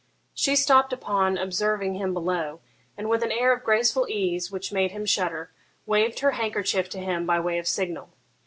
She stopped upon observing him below, and, with an air of graceful ease which made him shudder, waved her handkerchief to him by way of signal.